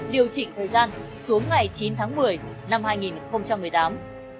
điều chỉnh thời gian xuống ngày chín tháng một mươi năm hai nghìn một mươi tám